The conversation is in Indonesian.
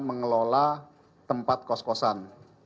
mengelola tempat kos kosan